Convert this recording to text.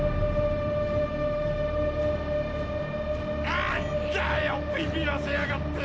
あんっだよビビらせやがって！